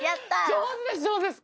上手です上手です。